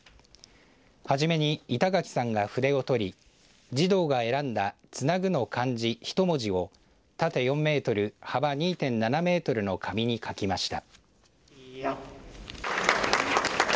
はじめに板垣さんが筆をとり児童が選んだ繋の漢字ひと文字を縦４メートル幅２．７メートルの紙に書きました。